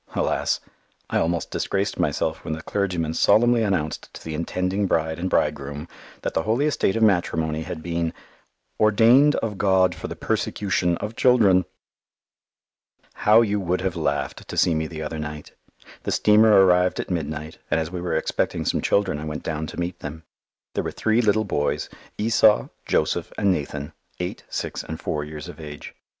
Alas! I almost disgraced myself when the clergyman solemnly announced to the intending bride and bridegroom that the holy estate of matrimony had been "ordained of God for the persecution of children"! How you would have laughed to see me the other night. The steamer arrived at midnight, and as we were expecting some children I went down to meet them. There were three little boys, Esau, Joseph, and Nathan, eight, six, and four years of age.